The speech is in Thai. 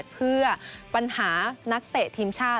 เพื่อปัญหานักเตะทีมชาติ